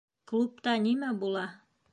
Клубта нимә була?